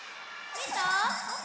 みた？